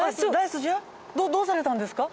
どうされたんですか？